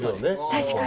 確かに。